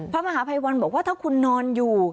พระมหาภัยวันบอกว่าถ้าคุณนอนอยู่